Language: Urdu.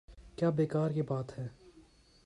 کیا بیکار کی بات ہے۔